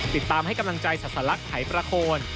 ติดตามให้กำลังใจศาสนลักษณ์ไทยประโคน